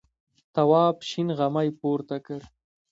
تواب شین غمی پورته کړ.